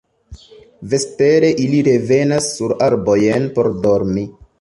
Vespere ili revenas sur arbojn por dormi.